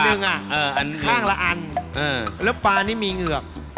หนึ่งอ่ะข้างละอันแล้วปลานี่มีเหงือก